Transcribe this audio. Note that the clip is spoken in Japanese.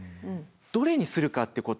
どれにするかってこと